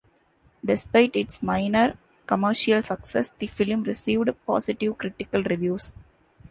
Despite its minor commercial success, the film received positive critical reviews.